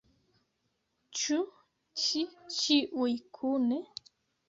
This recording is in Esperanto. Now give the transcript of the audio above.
Ĉu ĉi ĉiuj kune?